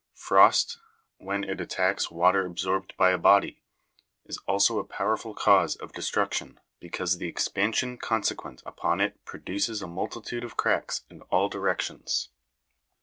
Frost, when it attacks water absorbed by a body, is also a powerful cause of destruction, because the expansion consequent upon it produces a multitude of cracks in all directions.